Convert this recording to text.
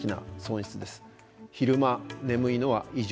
昼間眠いのは異常。